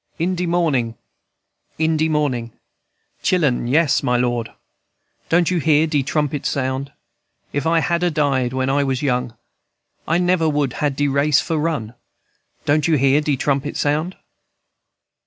"In de mornin', In de mornin', Chil'en? Yes, my Lord! Don't you hear de trumpet sound? If I had a died when I was young, I never would had de race for run. Don't you hear de trumpet sound?